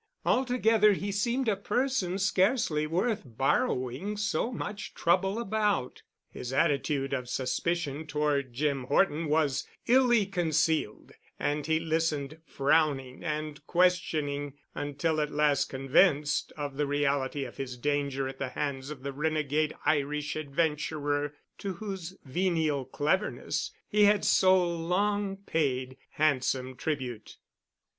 Altogether he seemed a person scarcely worth borrowing so much trouble about. His attitude of suspicion toward Jim Horton was illy concealed, but he listened, frowning and questioning, until at last convinced of the reality of his danger at the hands of the renegade Irish adventurer to whose venial cleverness he had so long paid handsome tribute.